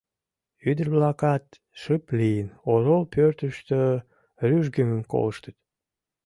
Ӱдыр-влакат, шып лийын, орол пӧртыштӧ рӱжгымым колыштыт.